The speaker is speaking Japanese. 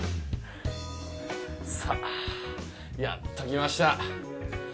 さあ、やっと来ました。